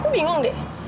aku bingung deh